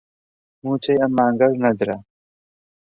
مووچەی ئەم مانگەش نەدرا